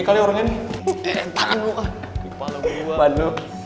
gini mah graveyard gika terus keyboard ini